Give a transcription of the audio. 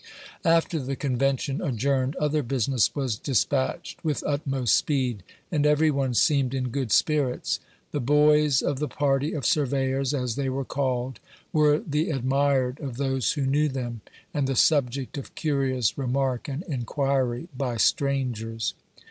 After the Convention adjourned, other business was de spatched with utmost speed, and every one seemed in good spirits. The "boys" of the party of "Surveyors," as they were called, were the admired of those who knew them, and the subject of curious remark and inquiry by strangers.